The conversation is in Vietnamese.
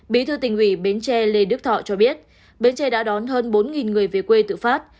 bí thư tỉnh ủy bến tre lê đức thọ cho biết bến tre đã đón hơn bốn người về quê tự phát